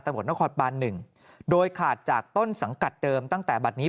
ตำรวจนครบาน๑โดยขาดจากต้นสังกัดเดิมตั้งแต่บัตรนี้